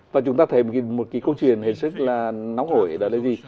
và chúng ta thấy một câu chuyện hình sức nóng hổi đó là gì